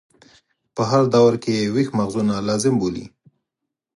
په هر دور کې یې ویښ مغزونه لازم بولي.